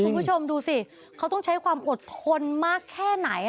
คุณผู้ชมดูสิเขาต้องใช้ความอดทนมากแค่ไหน